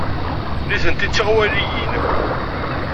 Nitenti d tiɣwaliyin.